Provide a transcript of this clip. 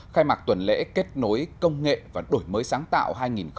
khai mạc tuần lễ kết nối công nghệ và đổi mới sáng tạo hai nghìn hai mươi